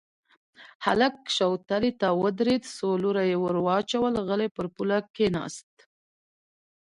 هلک شوتلې ته ودرېد، څو لوره يې ور واچول، غلی پر پوله کېناست.